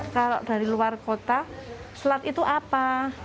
kalau dari luar kota selat itu apa